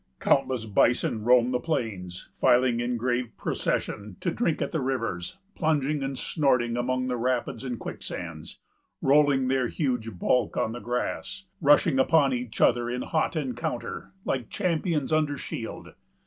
Countless bison roamed the plains, filing in grave procession to drink at the rivers, plunging and snorting among the rapids and quicksands, rolling their huge bulk on the grass, rushing upon each other in hot encounter, like champions under shield.